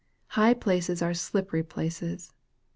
High places are slippery places.